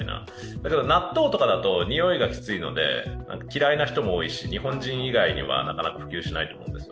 だけど納豆だとにおいもきついので嫌いな人も多いし、日本人以外にはなかなか普及しないと思うんですよ。